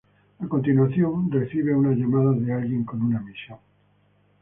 A continuación, recibe una llamada de alguien con una misión.